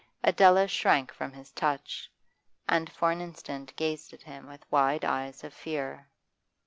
Adela shrank from his touch, and for an instant gazed at him with wide eyes of fear.